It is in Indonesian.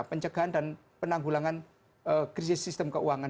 pencegahan dan penanggulangan krisis sistem keuangan